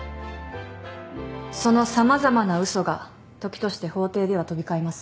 その様々な嘘が時として法廷では飛び交います。